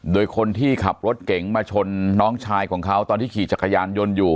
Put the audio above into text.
โดยคนที่ขับรถเก๋งมาชนน้องชายของเขาตอนที่ขี่จักรยานยนต์อยู่